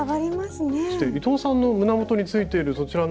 そして伊藤さんの胸元についているそちらのハートも。